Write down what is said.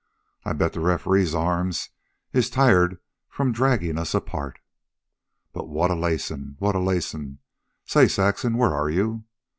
I bet the referee's arms is tired from draggin' us apart.... "But what a lacin'! What a lacin'! Say, Saxon... where are you?